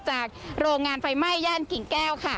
จากโรงงานไฟไหม้แห้งกิ๋งแก้วค่ะ